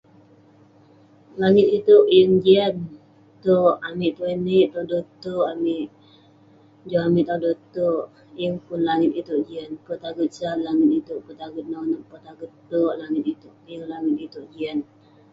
Langit iteuk yeng jian. Terk, amik tuai nik, toder terk amik. Joh amik toder terk. Yeng pun langit iteuk jian. Petaget sat langit iteuk, petaget nonep, petaget terk langit iteuk. Yeng langit iteuk jian.